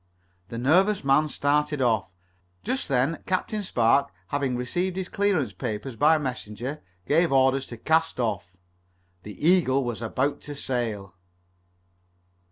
The nervous man started off. Just then Captain Spark, having received his clearance papers by messenger, gave orders to cast off. The Eagle was about to sail.